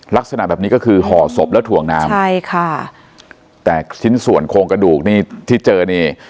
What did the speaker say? ลักษณะแบบนี้ก็คือห่อศพแล้วถ่วงน้ำใช่ค่ะแต่ชิ้นส่วนโครงกระดูกนี่ที่เจอนี่